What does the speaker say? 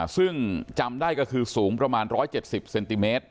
ซึ่งจำได้ก็คือสูงประมาณ๑๗๐เซนติเมตร